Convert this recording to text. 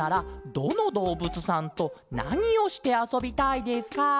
どのどうぶつさんとなにをしてあそびたいですか？